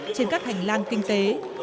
trên các hành lang kinh tế